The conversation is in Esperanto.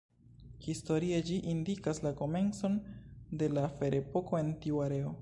Historie ĝi indikas la komencon de la ferepoko en tiu areo.